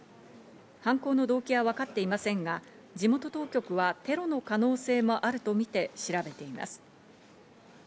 犯行の動機はわかっていませんが、地元当局はテロの可能性もあるとみて調べています。